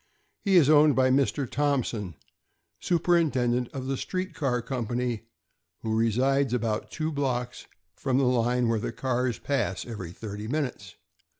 He ie owned by Mr. Thomp son, superintendent of the street car company, who resides about two blocks from the line where the cars pass every thirty minutes.